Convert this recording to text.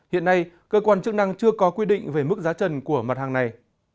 hiện nay cơ quan chức năng chưa có quy định về mức giá trần của mặt hàng này